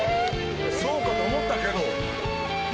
そうかと思ったけど。